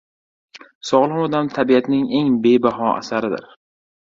Sog‘lom odam tabiatning eng bebaho asaridir.